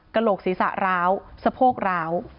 โหลกศีรษะร้าวสะโพกร้าว